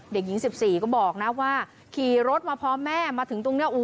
เด็กหญิง๑๔ก็บอกนะว่าขี่รถมาพอแม่มาถึงตรงนี้